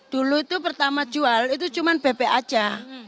dulu itu pertama jual itu cuma bebek aja